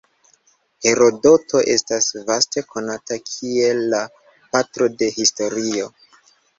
Herodoto estas vaste konata kiel la "patro de historio".